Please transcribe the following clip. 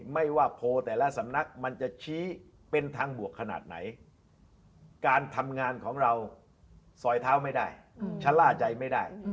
ไม่ว่าโพลแต่ละสำนักมันจะชี้เป็นทางบวกขนาดไหนการทำงานของเราซอยเท้าไม่ได้ชะล่าใจไม่ได้